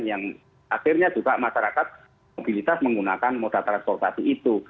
yang akhirnya juga masyarakat mobilitas menggunakan moda transportasi itu